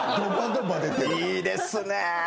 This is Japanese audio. いいですねぇ。